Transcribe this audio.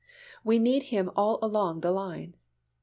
We need Him all along the line.